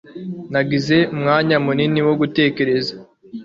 Nagize umwanya munini wo gutekereza